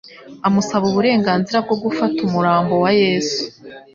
amusaba uburenganzira bwo gufata umurambo wa Yesu.